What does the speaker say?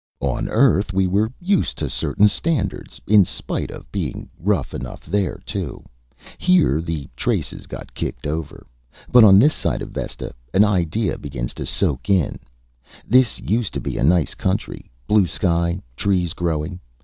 On Earth we were used to certain standards in spite of being rough enough there, too. Here, the traces got kicked over. But on this side of Vesta, an idea begins to soak in: This used to be nice country blue sky, trees growing.